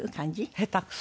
下手くそ。